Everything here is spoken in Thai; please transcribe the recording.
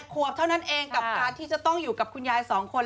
ขวบเท่านั้นเองกับการที่จะต้องอยู่กับคุณยาย๒คน